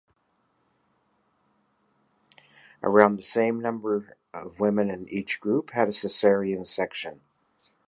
Around the same number of women in each group had a caesarean section.